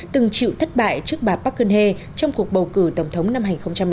từng chịu thất bại trước bà park geun hye trong cuộc bầu cử tổng thống năm hai nghìn một mươi hai